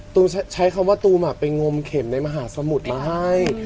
ใช้คำว่าตูมไปงมเข็มในมหาสมุทรมาให้